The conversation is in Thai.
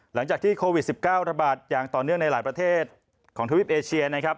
หลังจากที่โควิด๑๙ระบาดอย่างต่อเนื่องในหลายประเทศของทวิปเอเชียนะครับ